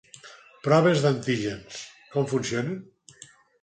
Proves d’antígens: com funcionen?